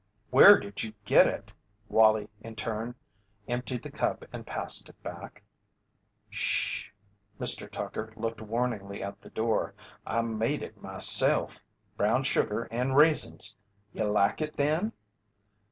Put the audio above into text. "Where did you get it?" Wallie in turn emptied the cup and passed it back. "S ss sh!" Mr. Tucker looked warningly at the door. "I made it myself brown sugar and raisins. You like it then?"